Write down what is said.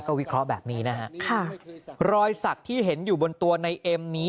วิเคราะห์แบบนี้นะฮะค่ะรอยสักที่เห็นอยู่บนตัวในเอ็มนี้